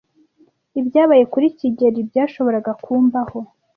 Ibyabaye kuri kigeli byashoboraga kumbaho.